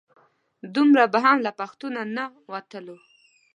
دومره به هم له پښتو نه نه وتلو.